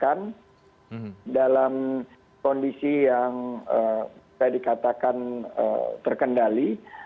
dan kita juga bisa menekan dalam kondisi yang saya dikatakan terkendali